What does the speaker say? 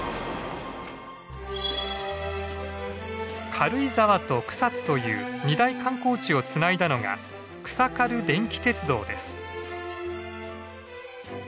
軽井沢と草津という二大観光地をつないだのが草軽電気鉄道です。